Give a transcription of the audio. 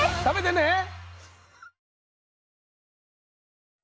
食べてね！